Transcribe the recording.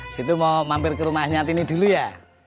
situ mau mampir ke rumahnya tini dulu ya